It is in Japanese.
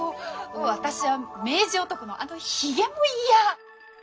私は明治男のあのひげも嫌。